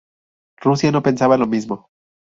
Rusia no pensaba lo mismo.